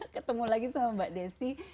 ketemu lagi sama mbak desi